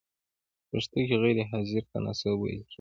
په پښتو کې غیر حاضر ته ناسوب ویل کیږی.